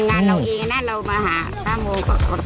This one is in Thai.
งานเราเองนะเรามาหา๕โมงกว่า